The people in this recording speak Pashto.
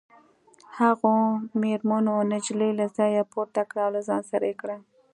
هغو مېرمنو نجلۍ له ځایه پورته کړه او له ځان سره یې کړه